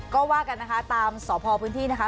ก็ว่ากันนะคะตามสพพื้นที่นะคะ